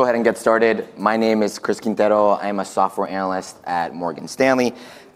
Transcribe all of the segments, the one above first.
Let's go ahead and get started. My name is Chris Quintero. I am a software analyst at Morgan Stanley.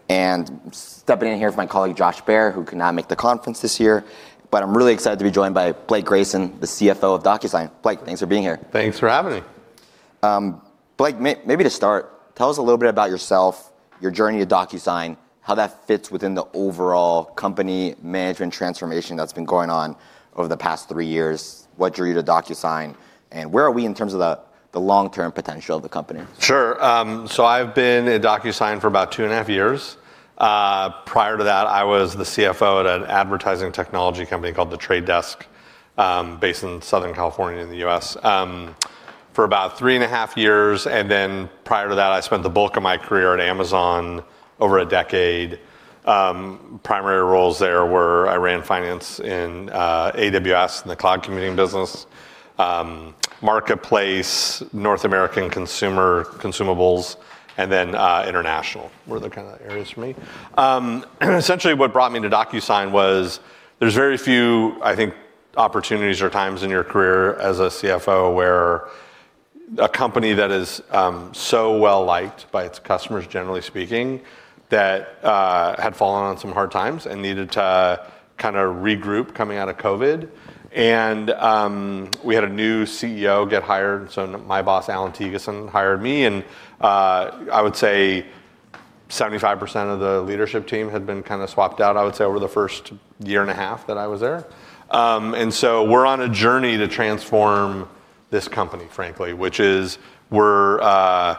And stepping in here is my colleague, Josh Baer, who could not make the conference this year. But I'm really excited to be joined by Blake Grayson, the CFO of DocuSign. Blake, thanks for being here. Thanks for having me. Blake, maybe to start, tell us a little bit about yourself, your journey to DocuSign, how that fits within the overall company management transformation that's been going on over the past three years, what drew you to DocuSign, and where are we in terms of the long-term potential of the company? Sure, so I've been at DocuSign for about two and a half years. Prior to that, I was the CFO at an advertising technology company called The Trade Desk, based in Southern California in the US, for about three and a half years, and then prior to that, I spent the bulk of my career at Amazon over a decade. Primary roles there were I ran finance in AWS and the cloud computing business, marketplace, North American consumer consumables, and then international were the kind of areas for me. Essentially, what brought me to DocuSign was there's very few, I think, opportunities or times in your career as a CFO where a company that is so well-liked by its customers, generally speaking, that had fallen on some hard times and needed to kind of regroup coming out of COVID, and we had a new CEO get hired. So my boss, Allan Thygesen, hired me. And I would say 75% of the leadership team had been kind of swapped out, I would say, over the first year and a half that I was there. And so we're on a journey to transform this company, frankly, which is we're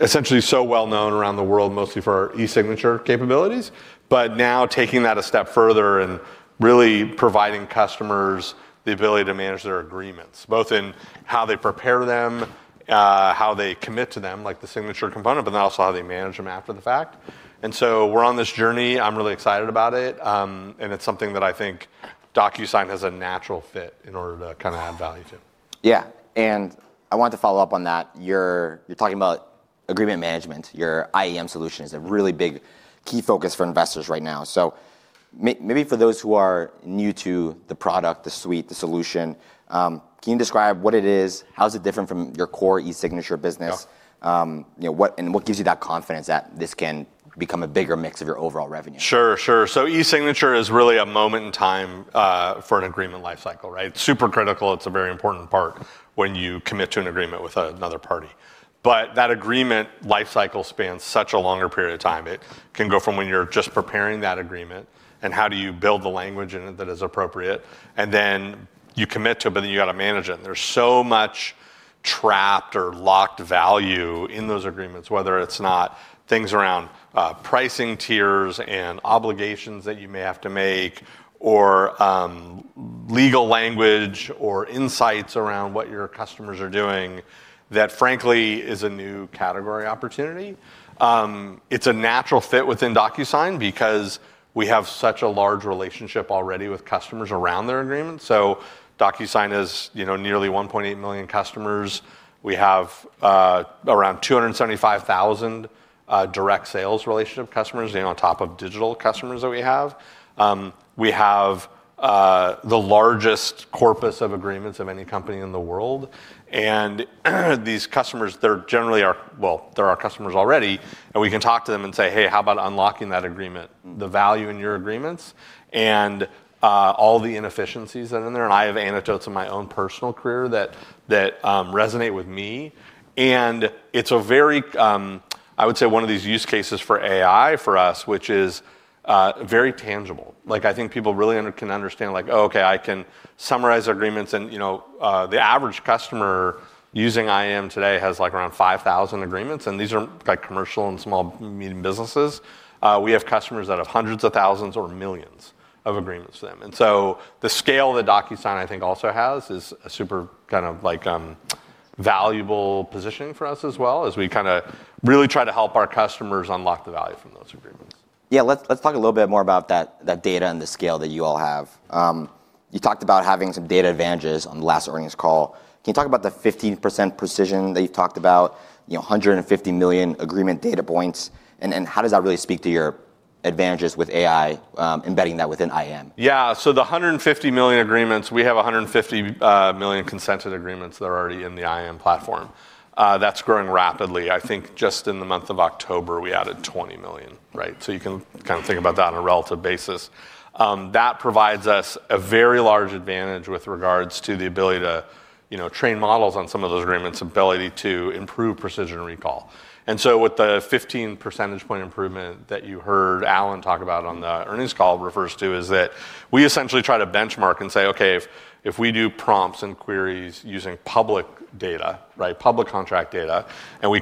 essentially so well-known around the world, mostly for our e-signature capabilities, but now taking that a step further and really providing customers the ability to manage their agreements, both in how they prepare them, how they commit to them, like the signature component, but then also how they manage them after the fact. And so we're on this journey. I'm really excited about it. And it's something that I think DocuSign has a natural fit in order to kind of add value to. Yeah. And I wanted to follow up on that. You're talking about agreement management. Your IAM solution is a really big key focus for investors right now. So maybe for those who are new to the product, the suite, the solution, can you describe what it is? How is it different from your core e-signature business? And what gives you that confidence that this can become a bigger mix of your overall revenue? Sure, sure. So e-signature is really a moment in time for an agreement lifecycle, right? Super critical. It's a very important part when you commit to an agreement with another party. But that agreement lifecycle spans such a longer period of time. It can go from when you're just preparing that agreement and how do you build the language in it that is appropriate, and then you commit to it, but then you got to manage it. There's so much trapped or locked value in those agreements, whether it's not things around pricing tiers and obligations that you may have to make, or legal language or insights around what your customers are doing, that frankly is a new category opportunity. It's a natural fit within DocuSign because we have such a large relationship already with customers around their agreements. So DocuSign has nearly 1.8 million customers. We have around 275,000 direct sales relationship customers on top of digital customers that we have. We have the largest corpus of agreements of any company in the world. And these customers, they're generally our, well, they're our customers already. And we can talk to them and say, hey, how about unlocking that agreement, the value in your agreements, and all the inefficiencies that are in there. And I have anecdotes in my own personal career that resonate with me. And it's a very, I would say, one of these use cases for AI for us, which is very tangible. I think people really can understand, like, oh, OK, I can summarize agreements. And the average customer using IAM today has around 5,000 agreements. And these are commercial and small, medium businesses. We have customers that have hundreds of thousands or millions of agreements for them. The scale that DocuSign, I think, also has is a super kind of valuable positioning for us as well, as we kind of really try to help our customers unlock the value from those agreements. Yeah, let's talk a little bit more about that data and the scale that you all have. You talked about having some data advantages on the last earnings call. Can you talk about the 15% precision that you talked about, 150 million agreement data points? And how does that really speak to your advantages with AI embedding that within IAM? Yeah, so the 150 million agreements, we have 150 million consented agreements that are already in the IAM platform. That's growing rapidly. I think just in the month of October, we added 20 million, right? So you can kind of think about that on a relative basis. That provides us a very large advantage with regards to the ability to train models on some of those agreements, ability to improve precision recall. And so with the 15 percentage point improvement that you heard Allan talk about on the earnings call refers to, is that we essentially try to benchmark and say, OK, if we do prompts and queries using public data, right, public contract data, and we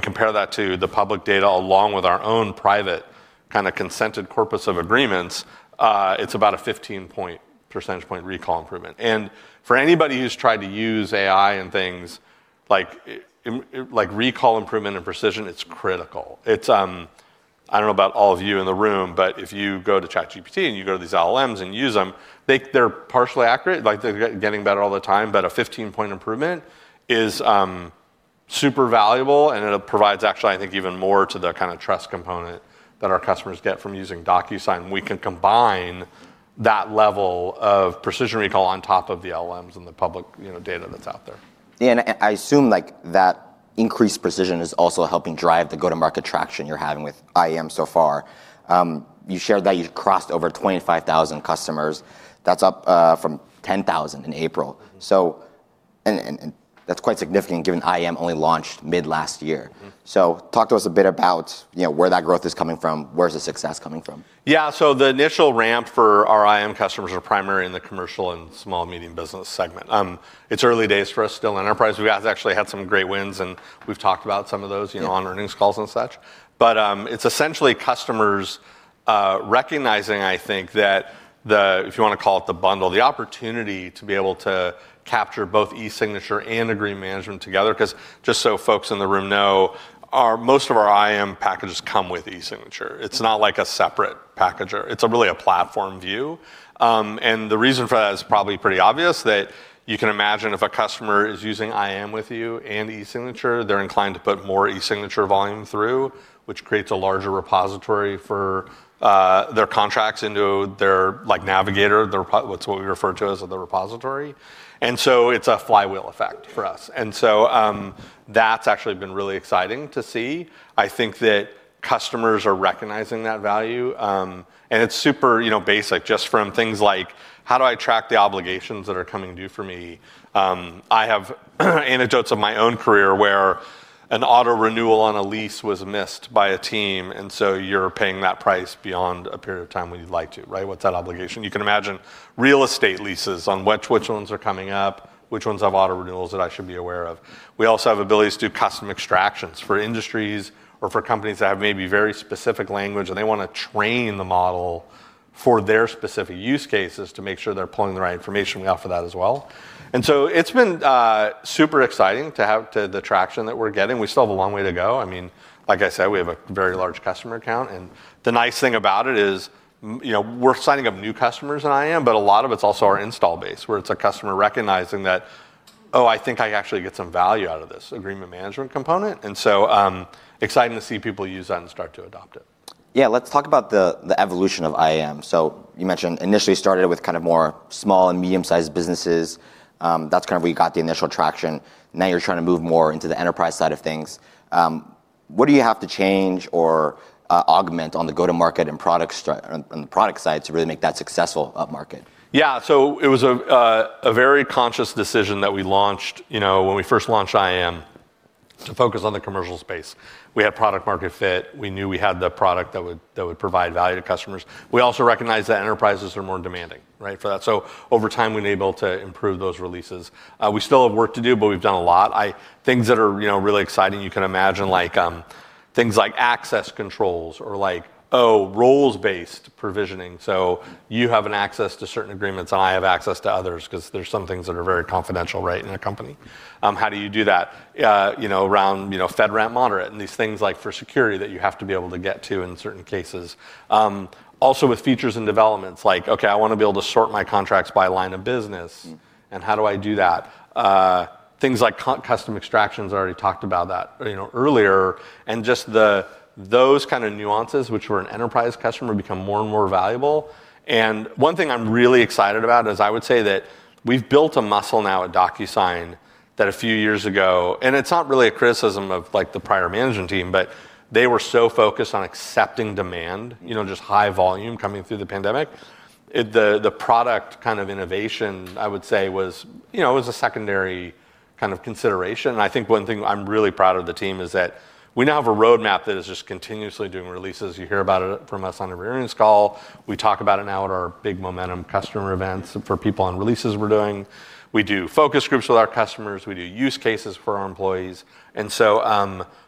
compare that to the public data along with our own private kind of consented corpus of agreements, it's about a 15-point percentage point recall improvement. For anybody who's tried to use AI and things like recall improvement and precision, it's critical. I don't know about all of you in the room, but if you go to ChatGPT and you go to these LLMs and use them, they're partially accurate. They're getting better all the time. But a 15-point improvement is super valuable. And it provides, actually, I think, even more to the kind of trust component that our customers get from using DocuSign. We can combine that level of precision recall on top of the LLMs and the public data that's out there. I assume that increased precision is also helping drive the go-to-market traction you're having with IAM so far. You shared that you crossed over 25,000 customers. That's up from 10,000 in April. That's quite significant, given IAM only launched mid-last year. Talk to us a bit about where that growth is coming from. Where's the success coming from? Yeah, so the initial ramp for our IAM customers are primarily in the commercial and small, medium business segment. It's early days for us still in enterprise. We actually had some great wins. And we've talked about some of those on earnings calls and such. But it's essentially customers recognizing, I think, that the, if you want to call it the bundle, the opportunity to be able to capture both e-signature and agreement management together. Because just so folks in the room know, most of our IAM packages come with e-signature. It's not like a separate package. It's really a platform view. The reason for that is probably pretty obvious, that you can imagine if a customer is using IAM with you and e-signature, they're inclined to put more e-signature volume through, which creates a larger repository for their contracts into their Navigator, what we refer to as the repository. And so it's a flywheel effect for us. And so that's actually been really exciting to see. I think that customers are recognizing that value. And it's super basic, just from things like, how do I track the obligations that are coming due for me? I have anecdotes of my own career where an auto renewal on a lease was missed by a team. And so you're paying that price beyond a period of time when you'd like to, right? What's that obligation? You can imagine real estate leases on which ones are coming up, which ones have auto renewals that I should be aware of. We also have abilities to do custom extractions for industries or for companies that have maybe very specific language. And they want to train the model for their specific use cases to make sure they're pulling the right information. We offer that as well. And so it's been super exciting to have the traction that we're getting. We still have a long way to go. I mean, like I said, we have a very large customer account. And the nice thing about it is we're signing up new customers in IAM, but a lot of it's also our installed base, where it's a customer recognizing that, oh, I think I actually get some value out of this agreement management component. Exciting to see people use that and start to adopt it. Yeah, let's talk about the evolution of IAM. So you mentioned initially started with kind of more small and medium-sized businesses. That's kind of where you got the initial traction. Now you're trying to move more into the enterprise side of things. What do you have to change or augment on the go-to-market and product side to really make that successful upmarket? Yeah, so it was a very conscious decision that we launched when we first launched IAM to focus on the commercial space. We had product-market fit. We knew we had the product that would provide value to customers. We also recognized that enterprises are more demanding, right, for that. So over time, we've been able to improve those releases. We still have work to do, but we've done a lot. Things that are really exciting, you can imagine, like things like access controls or like, oh, roles-based provisioning. So you have access to certain agreements, and I have access to others because there are some things that are very confidential, right, in a company. How do you do that around FedRAMP Moderate and these things like for security that you have to be able to get to in certain cases? Also, with features and developments like, OK, I want to be able to sort my contracts by line of business. And how do I do that? Things like custom extractions I already talked about that earlier. And just those kind of nuances, which were an enterprise customer, become more and more valuable. And one thing I'm really excited about is I would say that we've built a muscle now at DocuSign that a few years ago and it's not really a criticism of the prior management team, but they were so focused on accepting demand, just high volume coming through the pandemic. The product kind of innovation, I would say, was a secondary kind of consideration. And I think one thing I'm really proud of the team is that we now have a roadmap that is just continuously doing releases. You hear about it from us on every earnings call. We talk about it now at our big momentum customer events for people on releases we're doing. We do focus groups with our customers. We do use cases for our employees, and so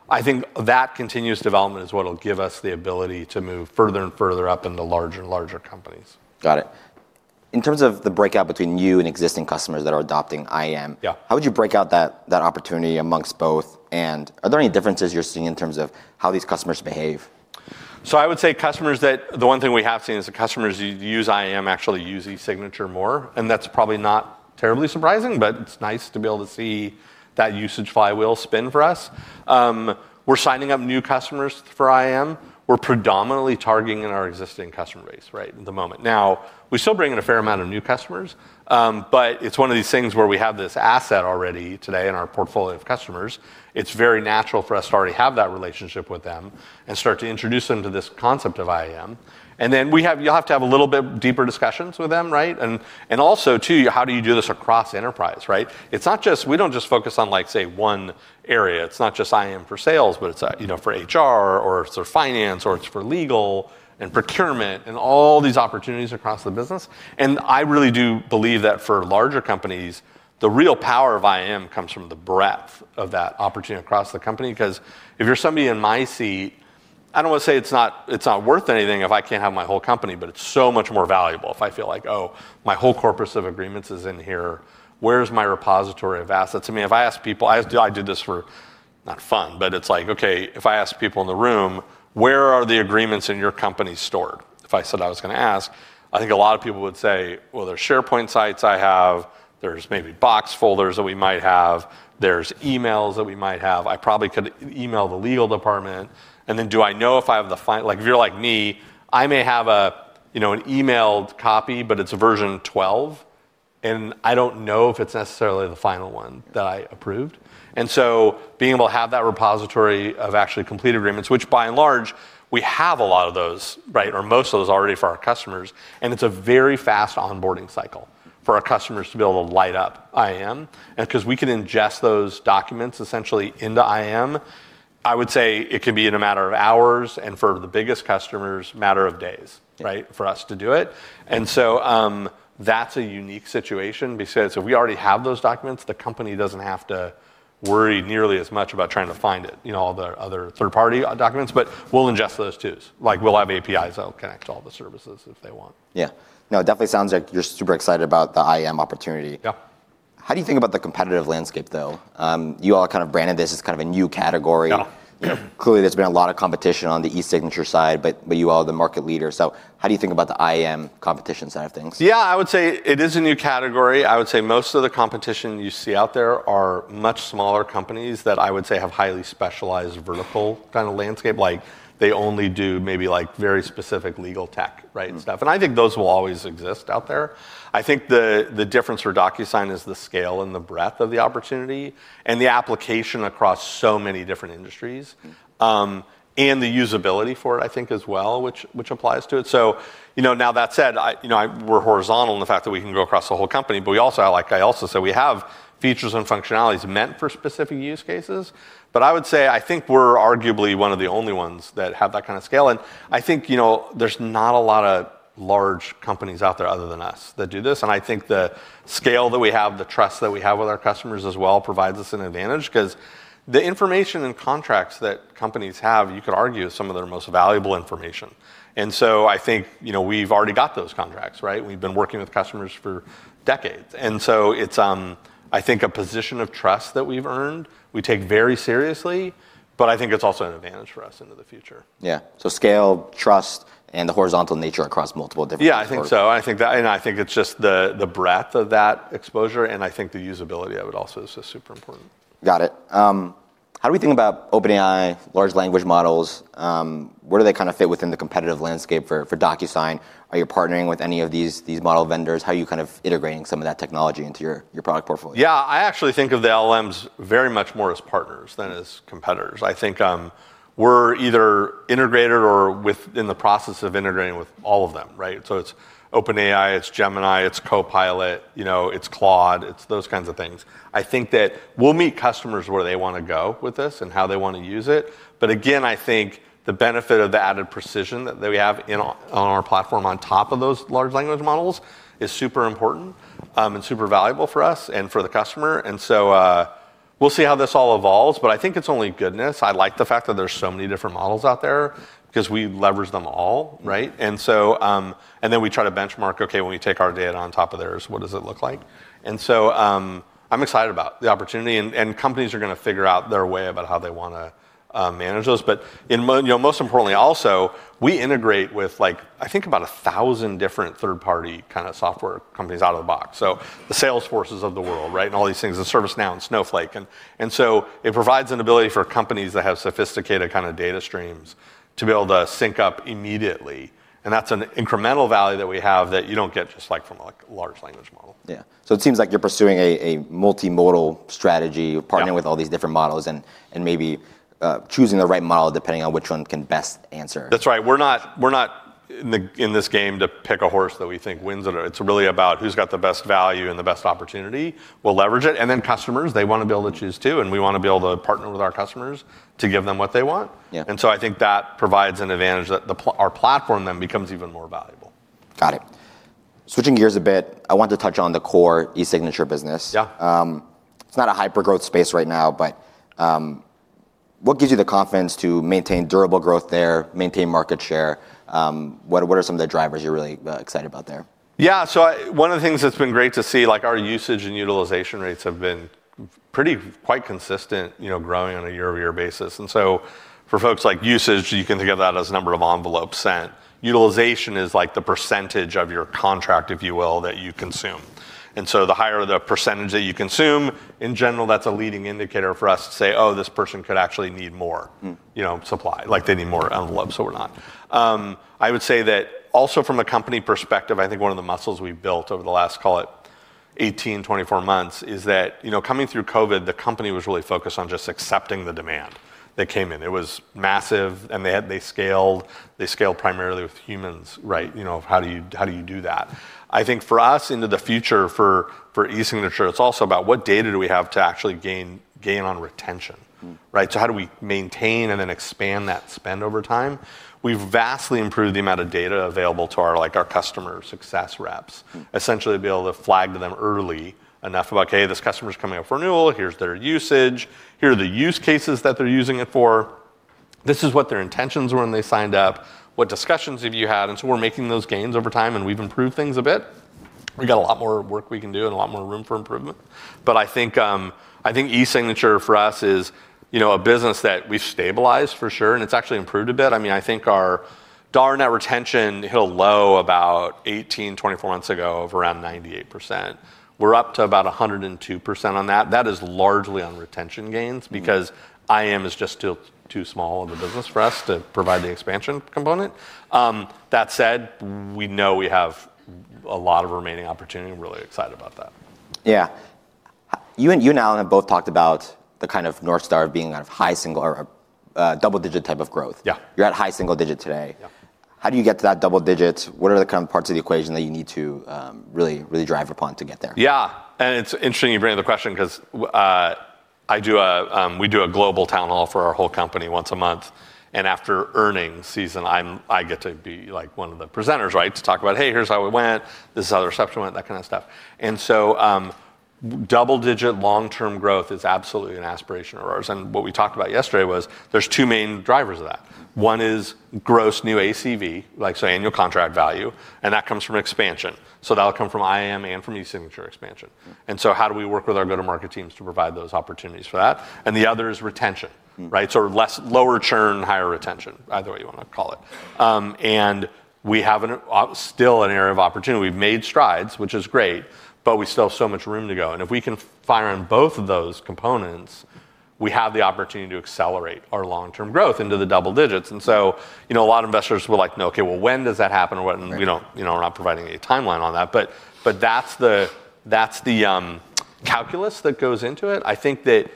I think that continuous development is what will give us the ability to move further and further up into larger and larger companies. Got it. In terms of the breakout between you and existing customers that are adopting IAM, how would you break out that opportunity among both? And are there any differences you're seeing in terms of how these customers behave? So I would say customers that the one thing we have seen is the customers who use IAM actually use e-signature more. And that's probably not terribly surprising, but it's nice to be able to see that usage flywheel spin for us. We're signing up new customers for IAM. We're predominantly targeting our existing customer base, right, at the moment. Now, we still bring in a fair amount of new customers. But it's one of these things where we have this asset already today in our portfolio of customers. It's very natural for us to already have that relationship with them and start to introduce them to this concept of IAM. And then you'll have to have a little bit deeper discussions with them, right? And also, too, how do you do this across enterprise, right? It's not just we don't just focus on, say, one area. It's not just IAM for sales, but it's for HR, or it's for finance, or it's for legal and procurement and all these opportunities across the business. And I really do believe that for larger companies, the real power of IAM comes from the breadth of that opportunity across the company. Because if you're somebody in my seat, I don't want to say it's not worth anything if I can't have my whole company, but it's so much more valuable if I feel like, oh, my whole corpus of agreements is in here. Where's my repository of assets? I mean, if I ask people I did this for not fun, but it's like, OK, if I ask people in the room, where are the agreements in your company stored? If I said I was going to ask, I think a lot of people would say, well, there's SharePoint sites I have. There's maybe Box folders that we might have. There's emails that we might have. I probably could email the legal department. And then do I know if I have the final if you're like me, I may have an emailed copy, but it's version 12. And I don't know if it's necessarily the final one that I approved. And so being able to have that repository of actually complete agreements, which by and large, we have a lot of those, right, or most of those already for our customers. And it's a very fast onboarding cycle for our customers to be able to light up IAM. And because we can ingest those documents essentially into IAM, I would say it can be in a matter of hours. For the biggest customers, a matter of days, right, for us to do it. So that's a unique situation because we already have those documents. The company doesn't have to worry nearly as much about trying to find it, all the other third-party documents. But we'll ingest those too. We'll have APIs that will connect to all the services if they want. Yeah, no, it definitely sounds like you're super excited about the IAM opportunity. Yeah. How do you think about the competitive landscape, though? You all kind of branded this as kind of a new category. Clearly, there's been a lot of competition on the e-signature side, but you all are the market leader. So how do you think about the IAM competition side of things? Yeah, I would say it is a new category. I would say most of the competition you see out there are much smaller companies that I would say have highly specialized vertical kind of landscape. They only do maybe very specific legal tech, right, and stuff. And I think those will always exist out there. I think the difference for DocuSign is the scale and the breadth of the opportunity and the application across so many different industries and the usability for it, I think, as well, which applies to it. So now that said, we're horizontal in the fact that we can go across the whole company. But I also said we have features and functionalities meant for specific use cases. But I would say I think we're arguably one of the only ones that have that kind of scale. And I think there's not a lot of large companies out there other than us that do this. And I think the scale that we have, the trust that we have with our customers as well, provides us an advantage. Because the information and contracts that companies have, you could argue is some of their most valuable information. And so I think we've already got those contracts, right? We've been working with customers for decades. And so it's, I think, a position of trust that we've earned. We take very seriously. But I think it's also an advantage for us into the future. Yeah, so scale, trust, and the horizontal nature across multiple different platforms. Yeah, I think so. And I think it's just the breadth of that exposure. And I think the usability, I would also say, is super important. Got it. How do we think about OpenAI, large language models? Where do they kind of fit within the competitive landscape for DocuSign? Are you partnering with any of these model vendors? How are you kind of integrating some of that technology into your product portfolio? Yeah, I actually think of the LLMs very much more as partners than as competitors. I think we're either integrated or within the process of integrating with all of them, right? So it's OpenAI, it's Gemini, it's Copilot, it's Claude, it's those kinds of things. I think that we'll meet customers where they want to go with this and how they want to use it. But again, I think the benefit of the added precision that we have on our platform on top of those large language models is super important and super valuable for us and for the customer. And so we'll see how this all evolves. But I think it's only goodness. I like the fact that there's so many different models out there because we leverage them all, right? And then we try to benchmark, OK, when we take our data on top of theirs, what does it look like? And so I'm excited about the opportunity. And companies are going to figure out their way about how they want to manage those. But most importantly also, we integrate with, I think, about 1,000 different third-party kind of software companies out of the box. So the Salesforces of the world, right, and all these things, and ServiceNow and Snowflake. And so it provides an ability for companies that have sophisticated kind of data streams to be able to sync up immediately. And that's an incremental value that we have that you don't get just from a large language model. Yeah, so it seems like you're pursuing a multi-modal strategy, partnering with all these different models and maybe choosing the right model depending on which one can best answer. That's right. We're not in this game to pick a horse that we think wins it. It's really about who's got the best value and the best opportunity. We'll leverage it. And then customers, they want to be able to choose too. And we want to be able to partner with our customers to give them what they want. And so I think that provides an advantage that our platform then becomes even more valuable. Got it. Switching gears a bit, I want to touch on the core e-signature business. Yeah. It's not a hyper-growth space right now, but what gives you the confidence to maintain durable growth there, maintain market share? What are some of the drivers you're really excited about there? Yeah, so one of the things that's been great to see, our usage and utilization rates have been quite consistent, growing on a year-over-year basis. And so for folks like usage, you can think of that as a number of envelopes sent. Utilization is like the percentage of your contract, if you will, that you consume. And so the higher the percentage that you consume, in general, that's a leading indicator for us to say, oh, this person could actually need more supply, like they need more envelopes, or whatnot. I would say that also from a company perspective, I think one of the muscles we've built over the last, call it, 18, 24 months is that coming through COVID, the company was really focused on just accepting the demand that came in. It was massive, and they scaled. They scaled primarily with humans, right? How do you do that? I think for us into the future for e-signature, it's also about what data do we have to actually gain on retention, right? So how do we maintain and then expand that spend over time? We've vastly improved the amount of data available to our customer success reps, essentially to be able to flag to them early enough about, OK, this customer's coming up for renewal. Here's their usage. Here are the use cases that they're using it for. This is what their intentions were when they signed up. What discussions have you had, and so we're making those gains over time, and we've improved things a bit. We've got a lot more work we can do and a lot more room for improvement, but I think e-signature for us is a business that we've stabilized for sure, and it's actually improved a bit. I mean, I think our Dollar Net Retention was low about 18-24 months ago at around 98%. We're up to about 102% on that. That is largely on retention gains because IAM is just too small of a business for us to provide the expansion component. That said, we know we have a lot of remaining opportunity. I'm really excited about that. Yeah, you and Allan have both talked about the kind of North Star of being kind of high single or double-digit type of growth. Yeah. You're at high single digit today. Yeah. How do you get to that double digit? What are the kind of parts of the equation that you need to really drive upon to get there? Yeah, and it's interesting you bring up the question because we do a global town hall for our whole company once a month, and after earnings season, I get to be one of the presenters, right, to talk about, hey, here's how we went. This is how the reception went, that kind of stuff, and so double-digit long-term growth is absolutely an aspiration of ours, and what we talked about yesterday was there's two main drivers of that. One is gross new ACV, like annual contract value, and that comes from expansion, so that'll come from IAM and from e-signature expansion, and so how do we work with our go-to-market teams to provide those opportunities for that, and the other is retention, right, so lower churn, higher retention, either way you want to call it, and we have still an area of opportunity. We've made strides, which is great, but we still have so much room to go. And if we can fire on both of those components, we have the opportunity to accelerate our long-term growth into the double digits. And so a lot of investors were like, no, OK, well, when does that happen? We're not providing a timeline on that. But that's the calculus that goes into it. I think that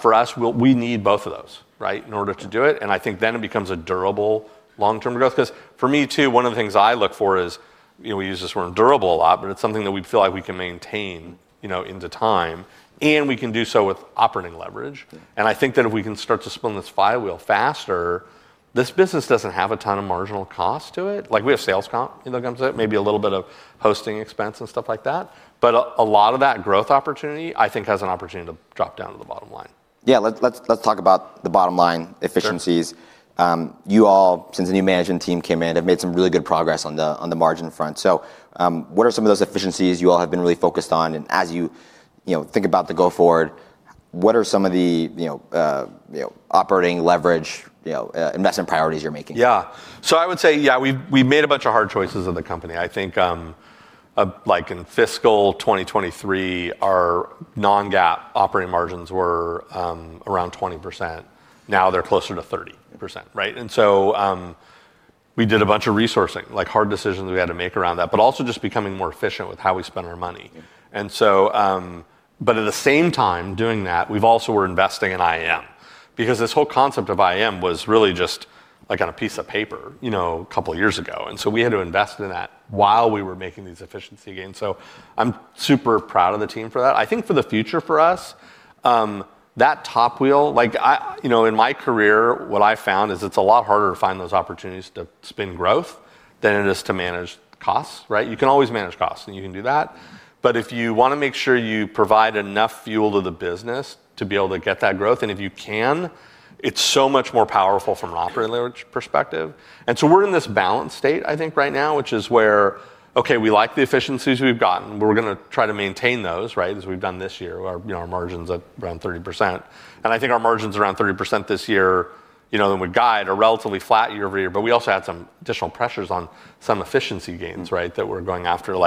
for us, we need both of those, right, in order to do it. And I think then it becomes a durable long-term growth. Because for me, too, one of the things I look for is we use this word durable a lot, but it's something that we feel like we can maintain into time. And we can do so with operating leverage. I think that if we can start to spin this flywheel faster, this business doesn't have a ton of marginal cost to it. We have sales comp that comes with it, maybe a little bit of hosting expense and stuff like that. But a lot of that growth opportunity, I think, has an opportunity to drop down to the bottom line. Yeah, let's talk about the bottom line efficiencies. You all, since the new management team came in, have made some really good progress on the margin front. So what are some of those efficiencies you all have been really focused on? And as you think about the go forward, what are some of the operating leverage investment priorities you're making? Yeah, so I would say, yeah, we've made a bunch of hard choices in the company. I think in fiscal 2023, our non-GAAP operating margins were around 20%. Now they're closer to 30%, right? And so we did a bunch of resourcing, like hard decisions we had to make around that, but also just becoming more efficient with how we spend our money. And so, but at the same time doing that, we've also been investing in IAM. Because this whole concept of IAM was really just like on a piece of paper a couple of years ago. And so we had to invest in that while we were making these efficiency gains. So I'm super proud of the team for that. I think for the future for us, that top wheel, in my career, what I found is it's a lot harder to find those opportunities to spin growth than it is to manage costs, right? You can always manage costs, and you can do that. But if you want to make sure you provide enough fuel to the business to be able to get that growth, and if you can, it's so much more powerful from an operating leverage perspective. And so we're in this balance state, I think, right now, which is where, OK, we like the efficiencies we've gotten. We're going to try to maintain those, right, as we've done this year. Our margin's at around 30%. And I think our margin's around 30% this year than we'd guide, a relatively flat year over year. But we also had some additional pressures on some efficiency gains, right, that we're going after.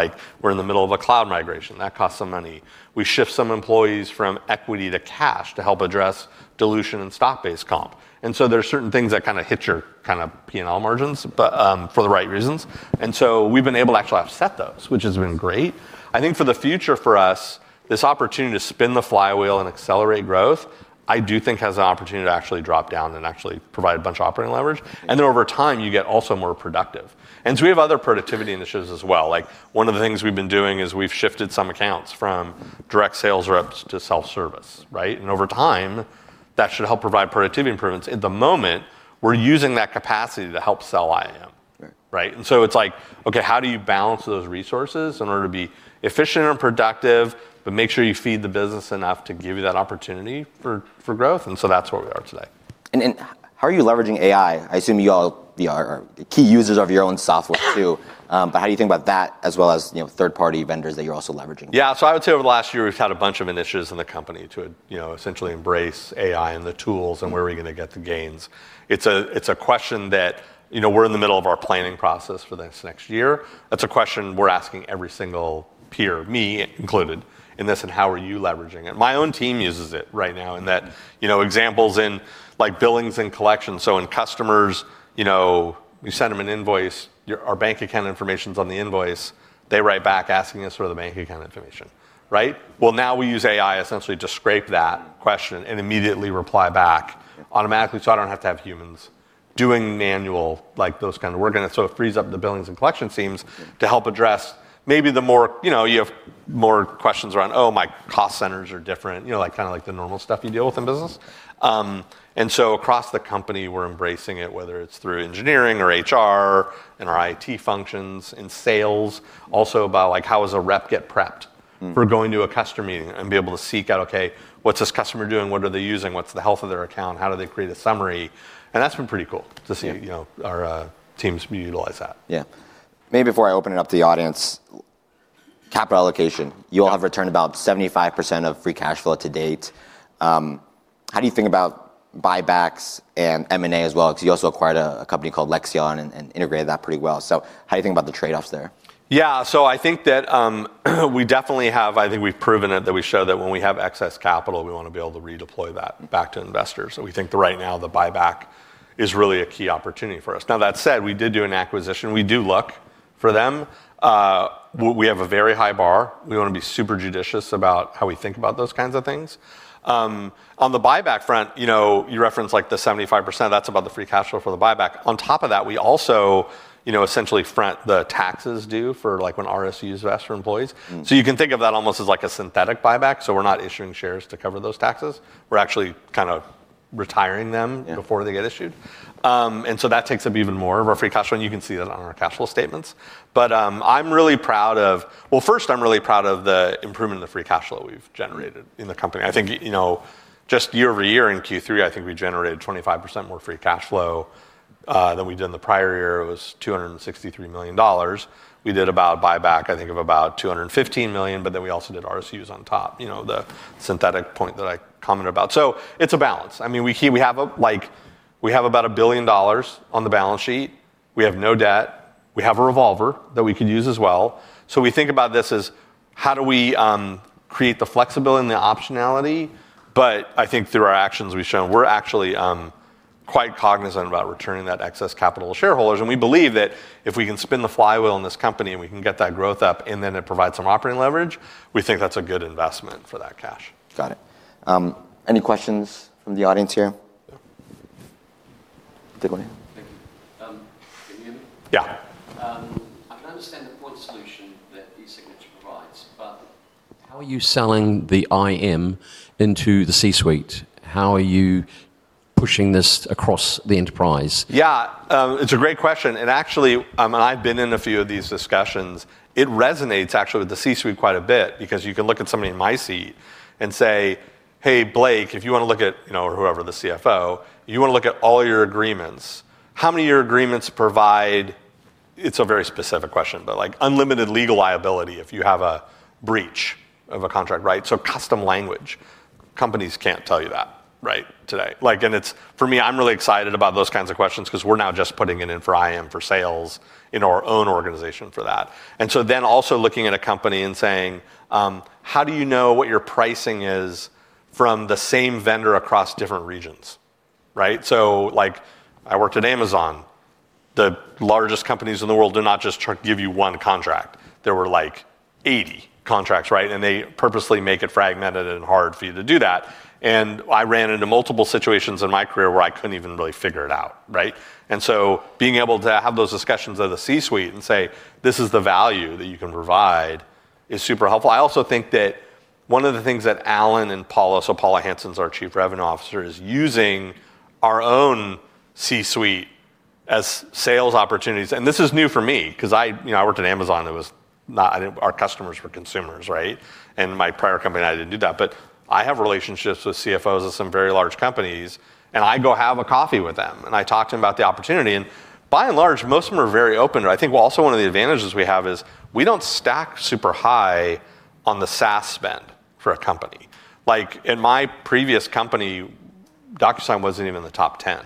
We're in the middle of a cloud migration. That costs some money. We shift some employees from equity to cash to help address dilution and stock-based comp. And so there are certain things that kind of hit your kind of P&L margins for the right reasons. And so we've been able to actually offset those, which has been great. I think for the future for us, this opportunity to spin the flywheel and accelerate growth, I do think has an opportunity to actually drop down and actually provide a bunch of operating leverage. And then over time, you get also more productive. And so we have other productivity initiatives as well. One of the things we've been doing is we've shifted some accounts from direct sales reps to self-service, right? Over time, that should help provide productivity improvements. At the moment, we're using that capacity to help sell IAM, right? It's like, OK, how do you balance those resources in order to be efficient and productive, but make sure you feed the business enough to give you that opportunity for growth? That's where we are today. And how are you leveraging AI? I assume you all are key users of your own software too. But how do you think about that as well as third-party vendors that you're also leveraging? Yeah, so I would say over the last year, we've had a bunch of initiatives in the company to essentially embrace AI and the tools and where are we going to get the gains. It's a question that we're in the middle of our planning process for this next year. That's a question we're asking every single peer, me included, in this and how are you leveraging it. My own team uses it right now, for example, in billing and collections. So in customers, we send them an invoice. Our bank account information's on the invoice. They write back asking us for the bank account information, right? Well, now we use AI essentially to scrape that question and immediately reply back automatically. So I don't have to have humans doing manual like those kind of work. And so it frees up the billings and collection teams to help address maybe the more you have more questions around, oh, my cost centers are different, kind of like the normal stuff you deal with in business. And so across the company, we're embracing it, whether it's through engineering or HR and our IT functions and sales. Also about how does a rep get prepped for going to a customer meeting and be able to seek out, OK, what's this customer doing? What are they using? What's the health of their account? How do they create a summary? And that's been pretty cool to see our teams utilize that. Yeah, maybe before I open it up to the audience, capital allocation. You all have returned about 75% of Free Cash Flow to date. How do you think about buybacks and M&A as well? Because you also acquired a company called Lexion and integrated that pretty well. So how do you think about the trade-offs there? Yeah, so I think that we definitely have. I think we've proven it that we show that when we have excess capital, we want to be able to redeploy that back to investors. So we think right now the buyback is really a key opportunity for us. Now, that said, we did do an acquisition. We do look for them. We have a very high bar. We want to be super judicious about how we think about those kinds of things. On the buyback front, you referenced like the 75%. That's about the free cash flow for the buyback. On top of that, we also essentially front the taxes due for when RSUs vest for employees. So you can think of that almost as like a synthetic buyback. So we're not issuing shares to cover those taxes. We're actually kind of retiring them before they get issued. So that takes up even more of our Free Cash Flow. And you can see that on our cash flow statements. But I'm really proud of, well, first, I'm really proud of the improvement in the Free Cash Flow we've generated in the company. I think just year over year in Q3, I think we generated 25% more Free Cash Flow than we did in the prior year. It was $263 million. We did about a buyback, I think, of about $215 million. But then we also did RSUs on top, the synthetic repo that I commented about. So it's a balance. I mean, we have about $1 billion on the balance sheet. We have no debt. We have a revolver that we could use as well. So we think about this as how do we create the flexibility and the optionality. But I think through our actions, we've shown we're actually quite cognizant about returning that excess capital to shareholders. And we believe that if we can spin the flywheel in this company and we can get that growth up and then it provides some operating leverage, we think that's a good investment for that cash. Got it. Any questions from the audience here? Thank you. Can you hear me? Yeah. I can understand the point solution that e-signature provides, but how are you selling the IAM into the C-suite? How are you pushing this across the enterprise? Yeah, it's a great question, and actually, I've been in a few of these discussions. It resonates actually with the C-suite quite a bit because you can look at somebody in my seat and say, hey, Blake, if you want to look at, or whoever the CFO, you want to look at all your agreements. How many of your agreements provide. It's a very specific question, but unlimited legal liability if you have a breach of a contract, right, so custom language, companies can't tell you that, right, today, and for me, I'm really excited about those kinds of questions because we're now just putting it in for IAM for sales in our own organization for that, and so then also looking at a company and saying, how do you know what your pricing is from the same vendor across different regions, right, so I worked at Amazon. The largest companies in the world do not just give you one contract. There were like 80 contracts, right? And they purposely make it fragmented and hard for you to do that. And I ran into multiple situations in my career where I couldn't even really figure it out, right? And so being able to have those discussions at the C-suite and say, this is the value that you can provide is super helpful. I also think that one of the things that Allan and Paula, so Paula Hansen is our Chief Revenue Officer, is using our own C-suite as sales opportunities. And this is new for me because I worked at Amazon. Our customers were consumers, right? And my prior company, I didn't do that. But I have relationships with CFOs at some very large companies. And I go have a coffee with them. I talk to them about the opportunity. By and large, most of them are very open. I think also one of the advantages we have is we don't stack super high on the SaaS spend for a company. In my previous company, DocuSign wasn't even in the top 10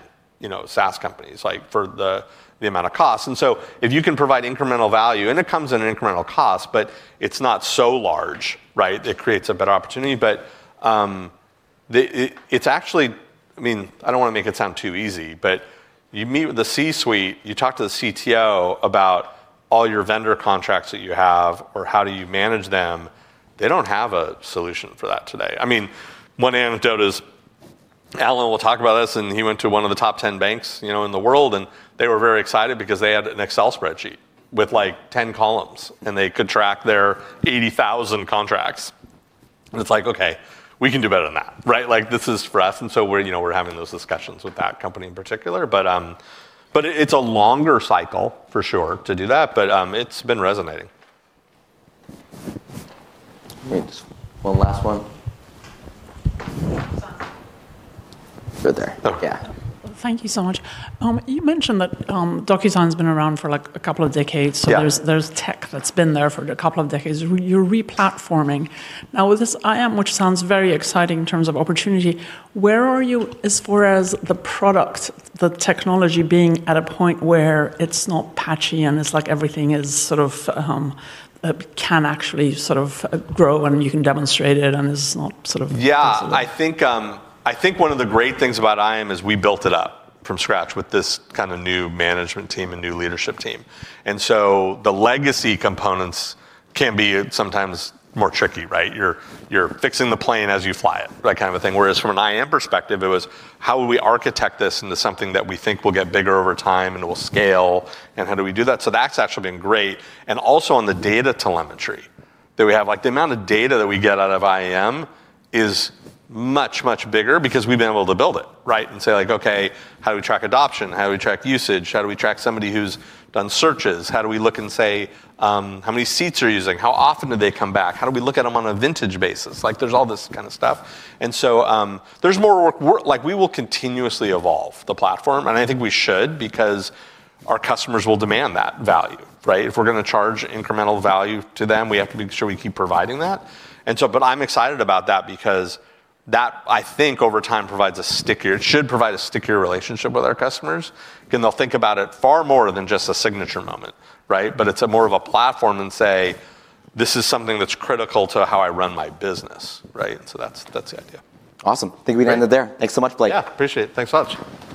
SaaS companies for the amount of cost. So if you can provide incremental value, and it comes at an incremental cost, but it's not so large, right? It creates a better opportunity. But it's actually, I mean, I don't want to make it sound too easy, but you meet with the C-suite, you talk to the CTO about all your vendor contracts that you have or how do you manage them. They don't have a solution for that today. I mean, one anecdote is Allan will talk about this. And he went to one of the top 10 banks in the world. And they were very excited because they had an Excel spreadsheet with like 10 columns. And they could track their 80,000 contracts. And it's like, OK, we can do better than that, right? This is for us. And so we're having those discussions with that company in particular. But it's a longer cycle for sure to do that. But it's been resonating. Great. One last one. You're there. Yeah. Thank you so much. You mentioned that DocuSign's been around for like a couple of decades. So there's tech that's been there for a couple of decades. You're replatforming. Now with this IAM, which sounds very exciting in terms of opportunity, where are you as far as the product, the technology being at a point where it's not patchy and it's like everything is sort of can actually sort of grow and you can demonstrate it and it's not sort of? Yeah, I think one of the great things about IAM is we built it up from scratch with this kind of new management team and new leadership team. And so the legacy components can be sometimes more tricky, right? You're fixing the plane as you fly it, that kind of a thing. Whereas from an IAM perspective, it was how would we architect this into something that we think will get bigger over time and will scale? And how do we do that? So that's actually been great. And also on the data telemetry that we have, like the amount of data that we get out of IAM is much, much bigger because we've been able to build it, right? And say like, OK, how do we track adoption? How do we track usage? How do we track somebody who's done searches? How do we look and say how many seats are using? How often do they come back? How do we look at them on a vintage basis? There's all this kind of stuff, and so there's more work. We will continuously evolve the platform, and I think we should because our customers will demand that value, right? If we're going to charge incremental value to them, we have to make sure we keep providing that, and so, but I'm excited about that because that, I think, over time provides a stickier, it should provide a stickier relationship with our customers, and they'll think about it far more than just a signature moment, right, but it's more of a platform and say, this is something that's critical to how I run my business, right, and so that's the idea. Awesome. I think we ended there. Thanks so much, Blake. Yeah, appreciate it. Thanks so much.